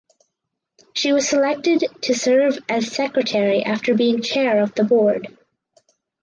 She was selected to serve as secretary after being chair of the board.